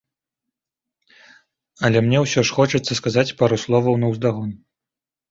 Але мне ўсё ж хочацца сказаць пару словаў наўздагон.